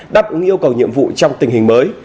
đáp ứng yêu cầu nhiệm vụ trong tình hình mới